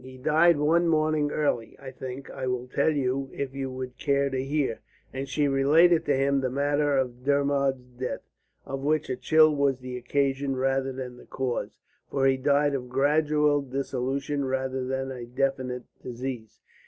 "He died one morning early I think I will tell you if you would care to hear," and she related to him the manner of Dermod's death, of which a chill was the occasion rather than the cause; for he died of a gradual dissolution rather than a definite disease.